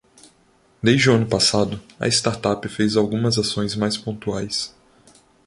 Desde o ano passado a startup fez algumas ações mais pontuais